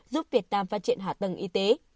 giúp việt nam phát triển hạ tầng y tế